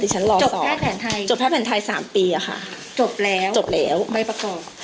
จบแพทย์แผ่นไทย๓ปีอะค่ะจบแล้วจบแล้วใบประกอบ